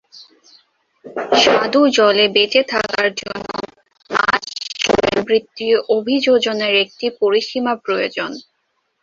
স্বাদু জলে বেঁচে থাকার জন্য, মাছ শারীরবৃত্তীয় অভিযোজনের একটি পরিসীমা প্রয়োজন।